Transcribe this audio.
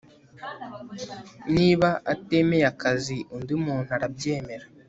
Niba atemeye akazi undi muntu arabyemera